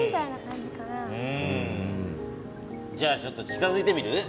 じゃあちょっと近づいてみる？